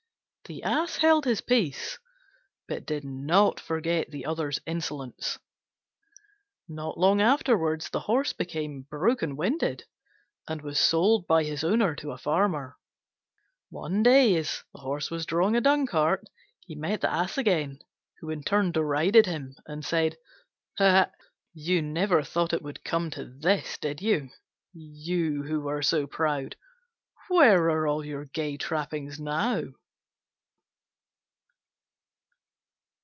The Ass held his peace, but did not forget the other's insolence. Not long afterwards the Horse became broken winded, and was sold by his owner to a farmer. One day, as he was drawing a dung cart, he met the Ass again, who in turn derided him and said, "Aha! you never thought to come to this, did you, you who were so proud! Where are all your gay trappings now?"